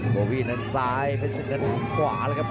โบวี่นั้นซ้ายเพชรศึกนั้นขวาแล้วครับ